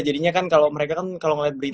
jadinya kan kalau mereka kan kalau ngelihat berita